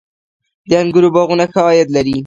د انګورو باغونه ښه عاید لري؟